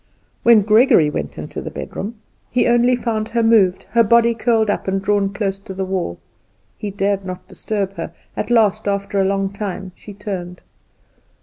When Gregory went into the bedroom he only found her moved, her body curled up, and drawn close to the wall. He dared not disturb her. At last, after a long time, she turned.